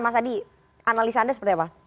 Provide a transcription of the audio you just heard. mas adi analisa anda seperti apa